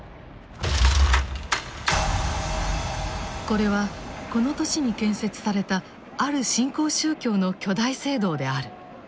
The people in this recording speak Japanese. これはこの年に建設されたある新興宗教の巨大聖堂である。